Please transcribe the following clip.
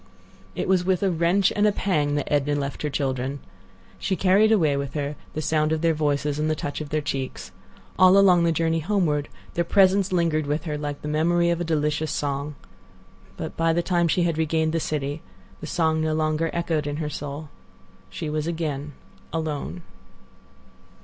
It was with a wrench and a pang that Edna left her children. She carried away with her the sound of their voices and the touch of their cheeks. All along the journey homeward their presence lingered with her like the memory of a delicious song. But by the time she had regained the city the song no longer echoed in her soul. She was again alone.